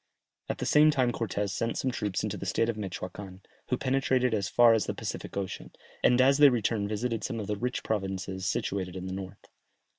At the same time Cortès sent some troops into the state of Mechoacan, who penetrated as far as the Pacific Ocean, and as they returned visited some of the rich provinces situated in the north.